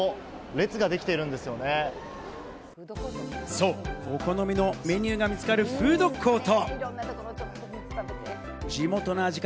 そう、お好みのメニューが見つかるフードコート。